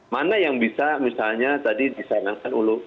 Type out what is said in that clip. mana yang bisa misalnya tadi disenangkan oleh